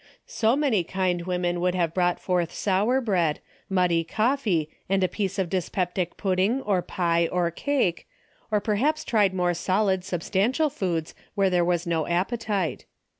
So many kind women would have brought forth sour bread, muddy coffee and a piece of dyspeptic pudding or pie or cake, or . perhaps tried more solid substantial foods where there was no appetite.